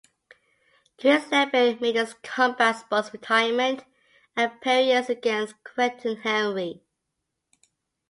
Chris Leben made his combat sports retirement appearance against Quentin Henry.